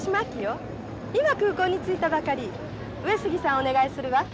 今空港に着いたばかり上杉さんお願いするわ。